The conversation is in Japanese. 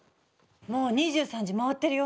もう２３時回ってるよ。